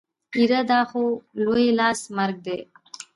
يره دا خو لوی لاس مرګ دی.